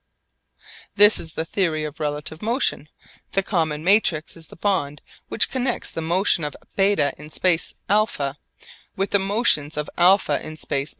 This is the theory of relative motion; the common matrix is the bond which connects the motion of β in space α with the motions of α in space β.